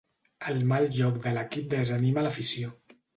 El mal joc de l'equip desanima l'afició.